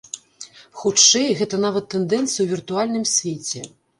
Хутчэй, гэта нават тэндэнцыя ў віртуальным свеце.